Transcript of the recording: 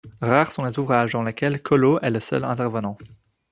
Rares sont les ouvrages dans lesquels Colaud est le seul intervenant.